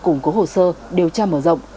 củng cố hồ sơ điều tra mở rộng